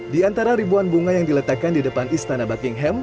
di antara ribuan bunga yang diletakkan di depan istana buckingham